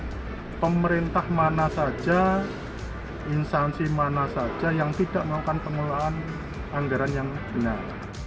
nah pemerintah mana saja instansi mana saja yang tidak melakukan pengelolaan anggaran yang benar